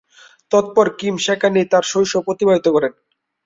অতঃপর কিম সেখানেই তার শৈশব অতিবাহিত করেন।